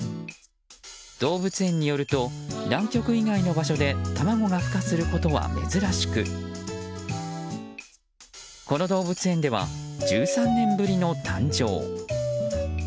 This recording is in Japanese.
動物園によると南極以外の場所で卵が孵化することは珍しくこの動物園では１３年ぶりの誕生。